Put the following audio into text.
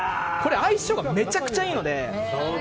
相性がめちゃくちゃいいので。